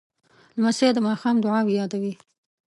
لمسی د ماښام دعاوې یادوي.